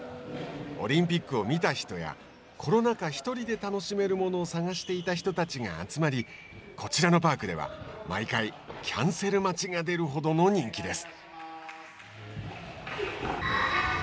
オリンピックを見た人やコロナ禍、１人で楽しめるものを探していた人たちが集まりこちらのパークでは毎回キャンセル待ちが出るほどの人気です。